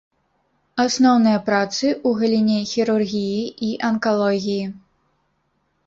Асноўныя працы ў галіне хірургіі і анкалогіі.